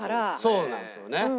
そうなんですよね。